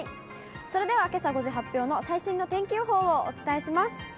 それでは、けさ５時発表の最新の天気予報をお伝えします。